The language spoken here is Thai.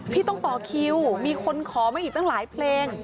พี่ต้องต่อคิวมีคนขอมาอีกตั้งหลายเพลง